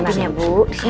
disiapin ya bu